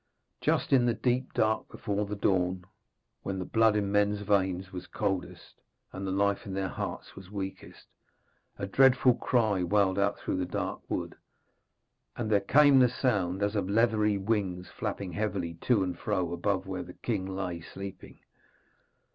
Just in the deep dark before the dawn, when the blood in men's veins was coldest, and the life in their hearts was weakest, a dreadful cry wailed out through the dark wood, and there came the sound as of leathery wings flapping heavily to and fro above where the king lay sleeping.